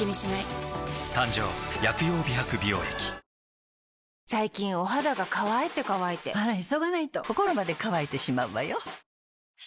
誕生最近お肌が乾いて乾いてあら急がないと心まで乾いてしまうわよ。